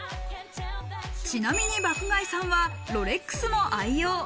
ちなみに爆買いさんはロレックスも愛用。